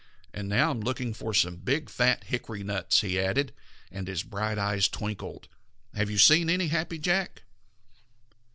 "And now I'm looking for some big, fat hickory nuts," he added, and his bright eyes twinkled. "Have you seen any, Happy Jack?"